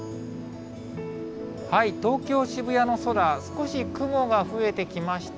東京・渋谷の空、少し雲が増えてきました。